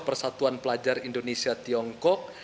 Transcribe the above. persenjataan dan pemerintah yang menunggu proses evakuasi